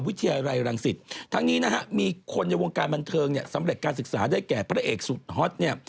ว่าในวงการบันเทิงเนี่ยสำเร็จการศึกษาได้แก่พระเอกสุดฮ๊อตเนี่ย